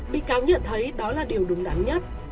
bị cáo nhận thấy đó là điều đúng đắn nhất